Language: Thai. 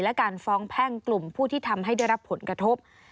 และการฟ้องแพ่งกลุ่มผู้ที่ทำให้ได้รับผลกระทบ